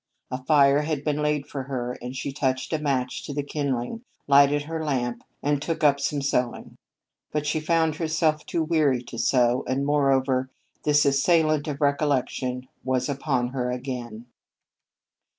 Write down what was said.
A fire had been laid for her, and she touched a match to the kindling, lighted her lamp, and took up some sewing. But she found herself too weary to sew, and, moreover, this assailant of recollection was upon her again.